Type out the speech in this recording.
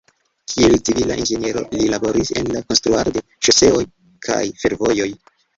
Kiel civila inĝeniero li laboris en la konstruado de ŝoseoj kaj fervojoj.